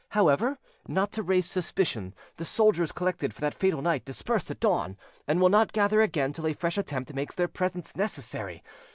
However, not to raise suspicion, the soldiers collected for that fatal night dispersed at dawn, and will not gather again till a fresh attempt makes their presence necessary.